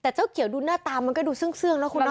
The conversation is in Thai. แต่เจ้าเกี่ยวดูหน้าตามันก็ดูซึ้งเนอะคุณหน้า